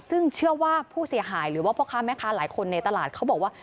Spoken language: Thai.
ซึ่งเชื่อว่าผู้เสียหายหรือว่าพ่อค้าแม่ค้าหลายคนในตลาดเขาบอกว่า